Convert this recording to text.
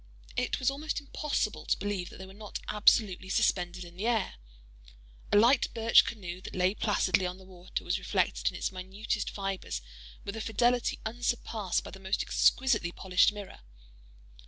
It was almost impossible to believe that they were not absolutely suspended in the air. A light birch canoe that lay placidly on the water, was reflected in its minutest fibres with a fidelity unsurpassed by the most exquisitely polished mirror.